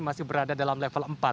masih berada dalam level empat